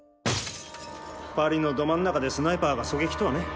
パリのど真ん中でスナイパーが狙撃とはね。